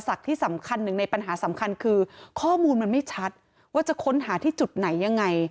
ที่สำคัญหนึ่งในปัญหาสำคัญคือข้อมูลมันไม่ชัดว่าจะค้นหาที่จุดไหนยังไง